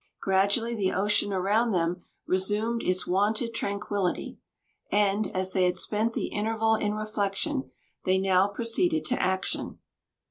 Gradually the ocean around them resumed its wonted tranquillity; and, as they had spent the interval in reflection, they now proceeded to action.